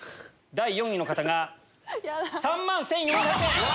第４位の方が３万１４００円！